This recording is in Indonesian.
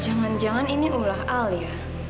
jangan jangan ini ulah alia